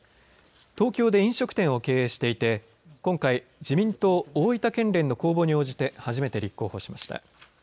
東京で飲食店を経営していて今回自民党大分県連の公募に応じて初めて立候補しました。